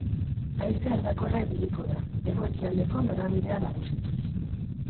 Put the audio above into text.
Haize aldakorra ibiliko da, hego-ekialdeko norabidea nagusituz.